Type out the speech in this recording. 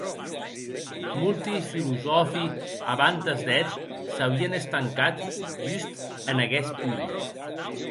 Molti filosòfi abantes d'eth s'auien estancat just en aguest punt.